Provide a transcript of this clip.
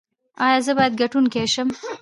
ایا زه باید ګټونکی شم؟